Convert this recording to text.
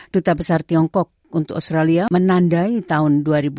duta besar tiongkok untuk australia menandai tahun dua ribu dua puluh